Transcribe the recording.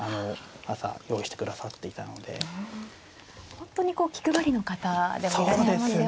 本当にこう気配りの方でもいらっしゃいますよね。